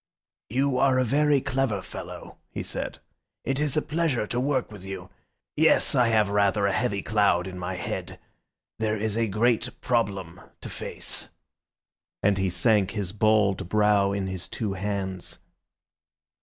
"You are a very clever fellow," he said, "it is a pleasure to work with you. Yes, I have rather a heavy cloud in my head. There is a great problem to face," and he sank his bald brow in his two hands.